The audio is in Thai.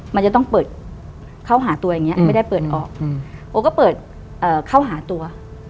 มันจะต้องเปิดเข้าหาตัวอย่างนี้ไม่ได้เปิดออกโอก็เปิดเข้าหาตัว